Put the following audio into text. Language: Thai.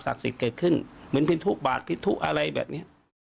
ศักดิ์สิทธิ์เกิดขึ้นเหมือนที้ทุ่คบาปิดทื่อกอะไรแบบเนี้ย